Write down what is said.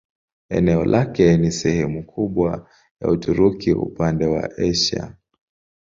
Eneo lake ni sehemu kubwa ya Uturuki upande wa Asia.